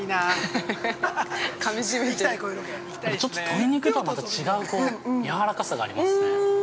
◆鶏肉とはまた違うやわらかさがありますね。